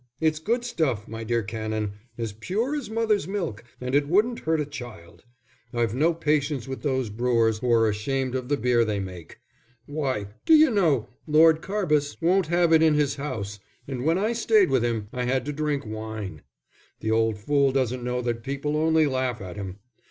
It's good stuff, my dear Canon as pure as mother's milk, and it wouldn't hurt a child. I've no patience with those brewers who are ashamed of the beer they make. Why, do you know, Lord Carbis won't have it in his house, and when I stayed with him, I had to drink wine. The old fool doesn't know that people only laugh at him.